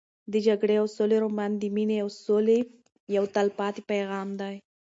د جګړې او سولې رومان د مینې او سولې یو تلپاتې پیغام دی.